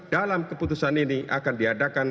dalam keputusan ini akan diadakan